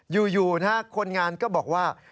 อยู่คนงานก็บอกว่า